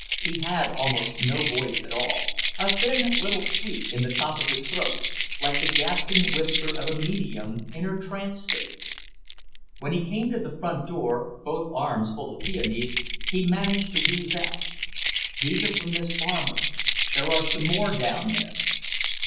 He had almost no voice at all, a thin little squeak in the top of his throat, like the gasping whisper of a medium in her trance state. When he came to the front door, both arms full of peonies, he managed to wheeze out: "These are from Miss Farmer. There are some more down there."